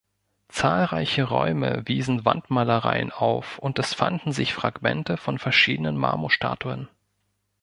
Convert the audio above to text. Zahlreiche Räume wiesen Wandmalereien auf und es fanden sich Fragmente von verschiedenen Marmorstatuen.